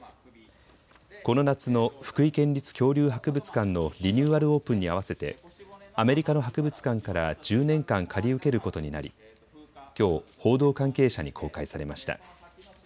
この夏の福井県立恐竜博物館のリニューアルオープンに合わせてアメリカの博物館から１０年間借り受けることになりきょう、報道関係者に公開されました。